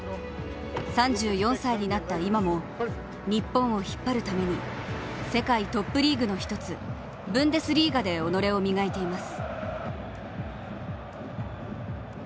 ３４歳になった今も、日本を引っ張るために世界トップリーグの一つ、ブンデスリーガで己を磨いています。